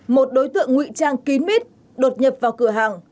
một đối tượng ngụy trang kín mít đột nhập vào cửa hàng